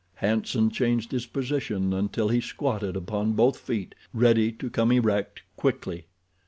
Hanson changed his position until he squatted upon both feet, ready to come erect quickly.